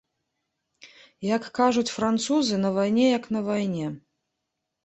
Як кажуць французы, на вайне як на вайне.